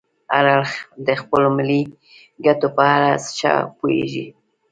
هر اړخ د خپلو ملي ګټو په اړه ښه پوهیږي